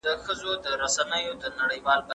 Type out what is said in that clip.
اسراف د شیطان ورور دی.